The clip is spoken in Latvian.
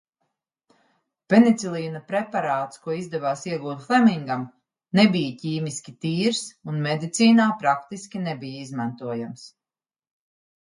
Penicilīna preparāts, ko izdevās iegūt Flemingam, nebija ķīmiski tīrs un medicīnā praktiski nebija izmantojams.